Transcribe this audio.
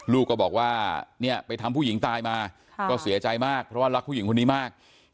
ลูกก็บอกว่าเนี่ยไปทำผู้หญิงตายมาก็เสียใจมากเพราะว่ารักผู้หญิงคนนี้มาก